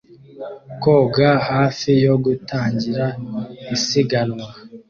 koga hafi yo gutangira isiganwa